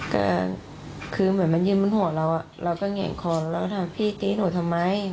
ก็คือเหมือนมันยืนบนหัวเราะเราก็แง่งคอแล้วถามพี่ตีหนูทำไม